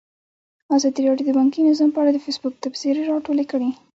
ازادي راډیو د بانکي نظام په اړه د فیسبوک تبصرې راټولې کړي.